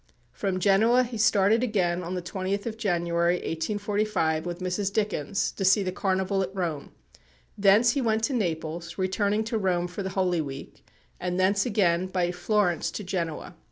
From Genoa he started again, on the 20th of January, 1845, with Mrs. Dickens, to see the Carnival at Rome. Thence he went to Naples, returning to Rome for the Holy Week; and thence again by Florence to Genoa.